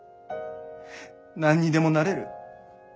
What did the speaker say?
「何にでもなれる。